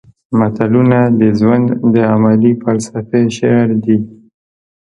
متلونه د ژوند د عملي فلسفې شعر دي